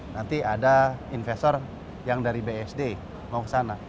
nanti ada investor yang dari bsd mau ke sana